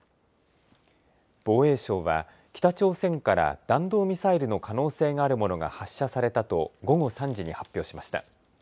防衛省は、北朝鮮から弾道ミサイルの可能性があるものが発射されたと、午後３時に発表しました。